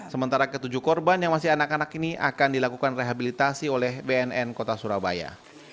sementara ketujuh korban yang masih anak anak ini akan dilakukan rehabilitasi oleh bnn kota surabaya